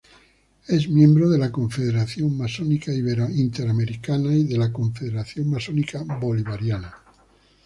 Es miembro de la Confederación Masónica Interamericana y de la Confederación Masónica Bolivariana.